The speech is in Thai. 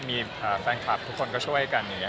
มีแฟนคลับทุกคนก็ช่วยกัน